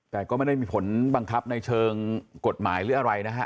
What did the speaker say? แต่ก็ไม่ได้มีผลบังคับในเชิงกฎหมายหรืออะไรนะฮะ